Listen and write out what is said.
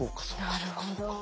なるほど。